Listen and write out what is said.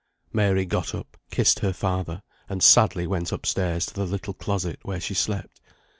Mary got up, kissed her father, and sadly went up stairs to the little closet, where she slept.